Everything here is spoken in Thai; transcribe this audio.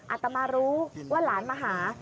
อาตมารู้ว่าหลานมาหา